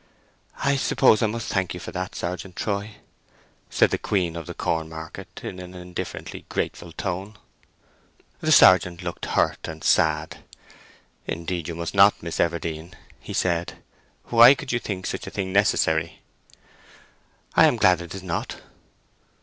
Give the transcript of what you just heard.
"I suppose I must thank you for that, Sergeant Troy," said the Queen of the Corn market, in an indifferently grateful tone. The sergeant looked hurt and sad. "Indeed you must not, Miss Everdene," he said. "Why could you think such a thing necessary?" "I am glad it is not."